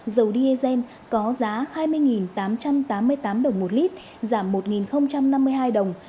dầu diesel có giá hai mươi tám trăm tám mươi tám đồng một lít giảm một năm mươi hai đồng